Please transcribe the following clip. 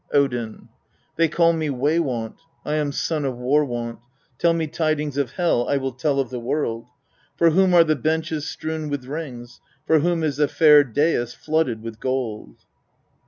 Odin. 6. ' They call me Way wont I am son of Warwont ; tell me tidings of Hel, I will tell of the world. For whom are the benches strewn with rings, for whom is the fair dais flooded with gold